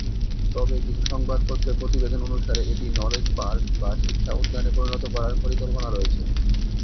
তবে কিছু সংবাদপত্রে প্রতিবেদন অনুসারে এটি "নলেজ পার্ক" বা শিক্ষা উদ্যানে পরিণত করার পরিকল্পনা রয়েছে।